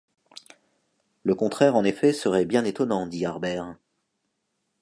Le contraire, en effet, serait bien étonnant, dit Harbert.